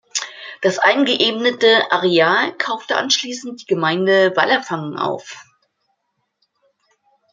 Das eingeebnete Areal kaufte anschließend die Gemeinde Wallerfangen auf.